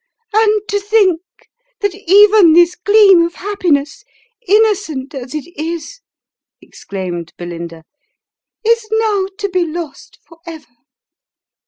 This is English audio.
" And to think that even this gleam of happiness, innocent as it is," exclaimed Belinda, " is now to be lost for ever